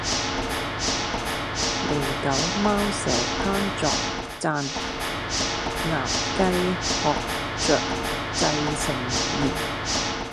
狸狗貓蛇烹作饌，鴨雞雁雀製成筵